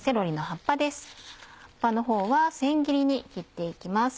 葉っぱのほうは千切りに切って行きます。